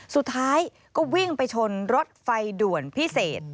สุดท้ายก็วิ่งไปชนรถไฟด่วนพิเศษ